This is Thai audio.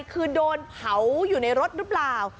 คือโดนเผาอยู่ในรถหรือเปล่า